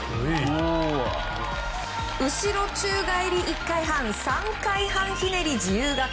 後ろ宙返り１回半３回半ひねり自由形。